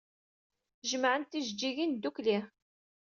Jemɛen-d tijeǧǧigin ddukkli.